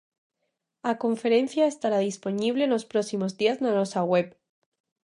A Conferencia estará dispoñible nos próximos días na nosa web.